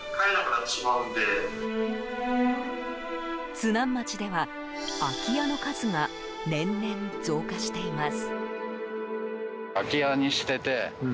津南町では、空き家の数が年々増加しています。